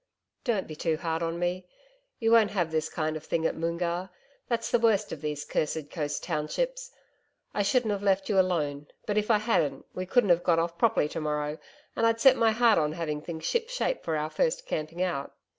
'Don't be too hard on me. You won't have this kind of thing at Moongarr. That's the worst of these cursed coast townships. I shouldn't have left you alone, but if I hadn't, we couldn't have got off properly to morrow, and I'd set my heart on having things ship shape for our first camping out.